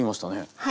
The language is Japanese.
はい。